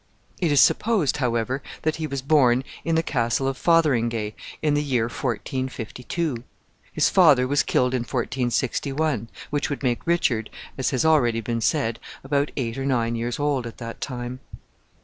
It is supposed, however, that he was born in the Castle of Fotheringay, in the year 1452. His father was killed in 1461, which would make Richard, as has already been said, about eight or nine years old at that time.